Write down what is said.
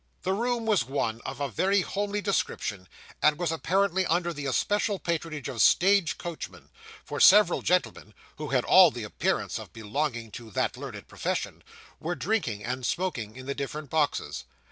The room was one of a very homely description, and was apparently under the especial patronage of stage coachmen; for several gentleman, who had all the appearance of belonging to that learned profession, were drinking and smoking in the different boxes.